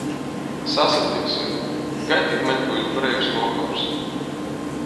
Sasatiksim, kai tik maņ byus breivs vokors.